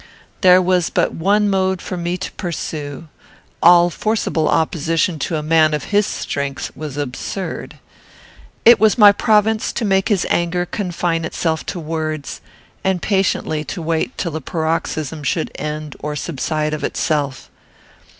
There was but one mode for me to pursue; all forcible opposition to a man of his strength was absurd. It was my province to make his anger confine itself to words, and patiently to wait till the paroxysm should end or subside of itself.